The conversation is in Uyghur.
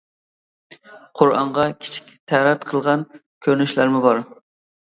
قۇرئانغا كىچىك تەرەت قىلغان كۆرۈنۈشلەرمۇ بار!